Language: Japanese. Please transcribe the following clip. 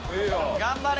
頑張れ！